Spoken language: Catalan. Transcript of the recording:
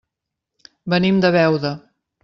Venim de Beuda.